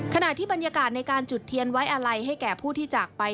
ขณะที่บรรยากาศในการจุดเทียนไว้อะไรให้แก่ผู้ที่จากไป